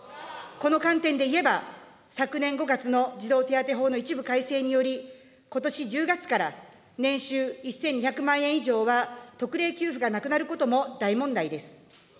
この観点で言えば、昨年５月の児童手当法の一部改正により、ことし１０月から年収１２００万円以上は特例給付がなくなることも大問題です。